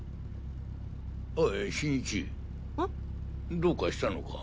どうかしたのか？